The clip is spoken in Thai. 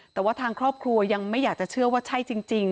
แต่ว่าทางครอบครัวยังไม่อยากจะเชื่อว่าใช่จริง